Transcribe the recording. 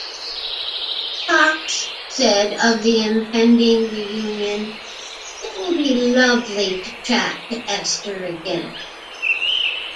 Cox said of the impending reunion: It'll be lovely to chat to Esther again.